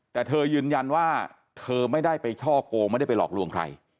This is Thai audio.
แต่เธอยืนยันว่าเธอไม่ได้ไปช่อโกงไม่ได้ไปหลอกลวงใคร